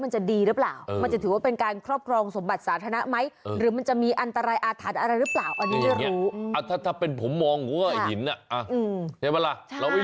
เชฟเมล่าเราไม่รู้ว่ามันคืออะไร